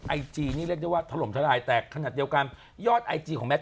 ไอจีนี่เรียกได้ว่าถล่มทลายแต่ขนาดเดียวกันยอดไอจีของแมท